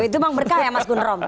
itu memang berkah ya mas gun rom